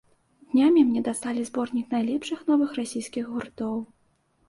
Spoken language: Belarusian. Днямі мне даслалі зборнік найлепшых новых расійскіх гуртоў.